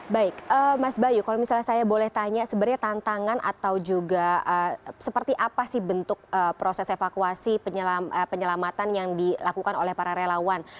baik mas bayu kalau misalnya saya boleh tanya sebenarnya tantangan atau juga seperti apa sih bentuk proses evakuasi penyelamatan yang dilakukan oleh para relawan